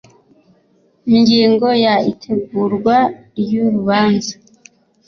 Ingingo ya itegurwa ry urubanza